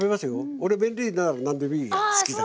俺麺類なら何でもいい好きだ。